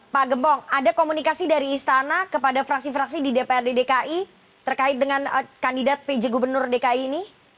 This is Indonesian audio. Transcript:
pak gembong ada komunikasi dari istana kepada fraksi fraksi di dprd dki terkait dengan kandidat pj gubernur dki ini